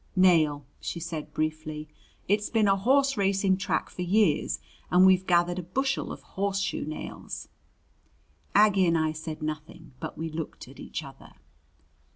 "Nail," she said briefly. "It's been a horse racing track for years, and we've gathered a bushel of horse shoe nails." Aggie and I said nothing, but we looked at each other.